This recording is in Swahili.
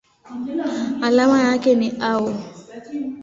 Alama yake ni Au.